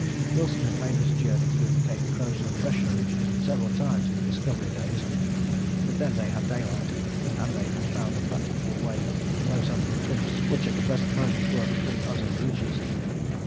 Wilson had made this journey through the Cape Crozier pressure ridges several times in the Discovery days. But then they had daylight, and they had found a practicable way close under the cliffs which at the present moment were between us and the ridges.